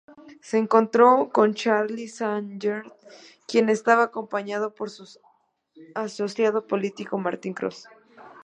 Se encontró con Charlie Sargent, quien estaba acompañado por su asociado político, Martin Cross.